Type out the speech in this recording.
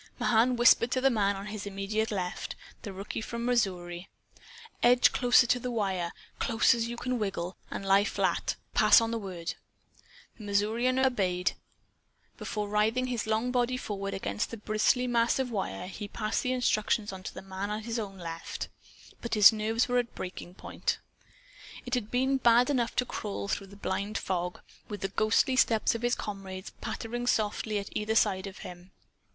Mahan whispered to the man on his immediate left, the rookie from Missouri: "Edge closer to the wire close as you can wiggle, and lie flat. Pass on the word." The Missourian obeyed. Before writhing his long body forward against the bristly mass of wire he passed the instructions on to the man at his own left. But his nerves were at breaking point. It had been bad enough to crawl through the blind fog, with the ghostly steps of his comrades pattering softly at either side of him.